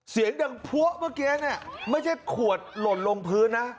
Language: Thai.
เสียงดังพัวเมื่อกี้เนี่ยไม่ใช่ขวดหล่นลงพื้นนะ